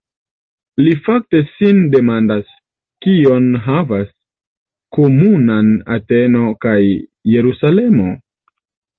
Li fakte sin demandas: "Kion havas komunan Ateno kaj Jerusalemo?